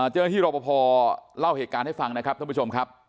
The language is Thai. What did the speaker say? เจอที่รกปภเล่าเหตุการณ์ให้ฟังนะครับทุกประชมครับ